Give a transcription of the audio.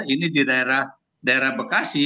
ini di daerah bekasi